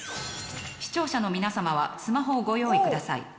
視聴者の皆さまはスマホをご用意ください。